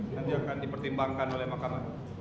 nanti akan dipertimbangkan oleh mahkamah